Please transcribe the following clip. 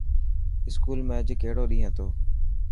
اسڪول ۾ اڄ ڪهڙو ڏينهن هتو.